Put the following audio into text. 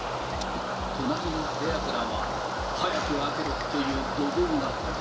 隣の部屋からは、早く開けろ！という怒号が。